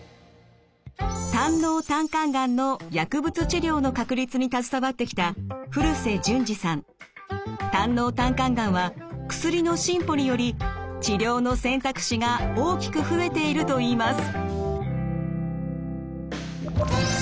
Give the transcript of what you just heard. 胆のう・胆管がんの薬物治療の確立に携わってきた胆のう・胆管がんは薬の進歩により治療の選択肢が大きく増えているといいます。